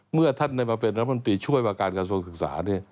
เมื่อท่านได้มาเป็นรัฐมนตรีช่วยว่าการกระทรวงศึกษา